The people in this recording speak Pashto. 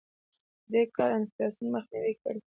دې کار انفلاسیون مخنیوی کړی.